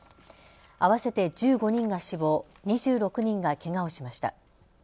合わせて１５人が死亡２６人がけがをしました。